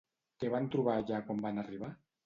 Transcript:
Què van trobar allà quan van arribar?